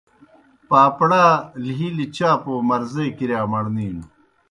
پاپڑا لھیلہ چھاپوْ مرضے کِرِیا مڑنِینوْ۔